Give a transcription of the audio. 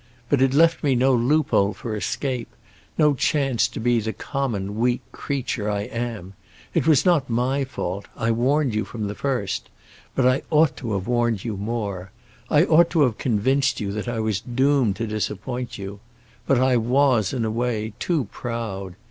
But it left me no loophole for escape—no chance to be the common, weak creature I am. It was not my fault; I warned you from the first. But I ought to have warned you more. I ought to have convinced you that I was doomed to disappoint you. But I was, in a way, too proud.